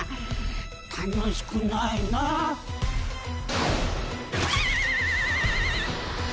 楽しくないなぁ。にゅ。